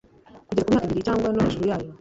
kugeza ku myaka ibiri cyangwa no hejuru yayo